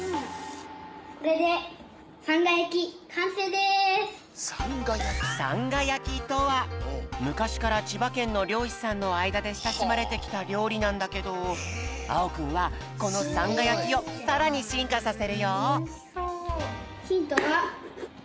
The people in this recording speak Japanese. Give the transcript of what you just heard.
これでさんがやきとはむかしからちばけんのりょうしさんのあいだでしたしまれてきたりょうりなんだけどあおくんはこのさんがやきをさらにしんかさせるよ。